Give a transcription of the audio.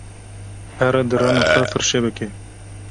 Here diranên xwe firçe bike.